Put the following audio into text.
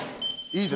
いい！